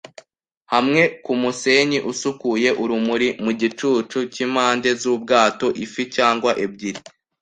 hamwe kumusenyi usukuye, urumuri mugicucu cyimpande zubwato. Ifi cyangwa ebyiri